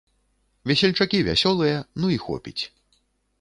Весельчакі вясёлыя, ну і хопіць.